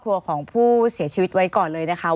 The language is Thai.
ขออนุญาตทางครอบครัวของผู้เสียชีวิตไว้ก่อนเลยนะคะ